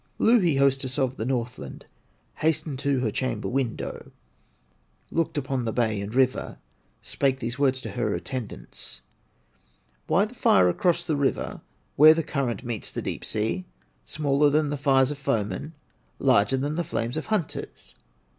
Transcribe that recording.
Louhi, hostess of the Northland, Hastened to her chamber window, Looked upon the bay and river, Spake these words to her attendants: "Why the fire across the river Where the current meets the deep sea, Smaller than the fires of foemen, Larger than the flames of hunters?"